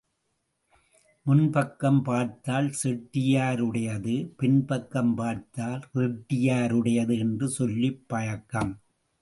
முன் பக்கம் பார்த்தால் செட்டியாருடையது பின்பக்கம் பார்த்தால் ரெட்டியாருடையது என்று சொல்லிப் பழக்கம்.